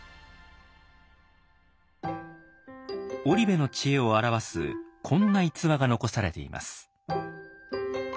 織部の知恵を表すこんな逸話が残されています。